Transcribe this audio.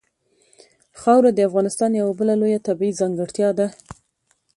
خاوره د افغانستان یوه بله لویه طبیعي ځانګړتیا ده.